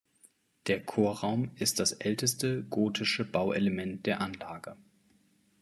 Der Chorraum ist das älteste gotische Bauelement der Anlage.